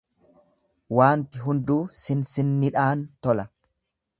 Waanti hunduu sinsinnidhaan tola.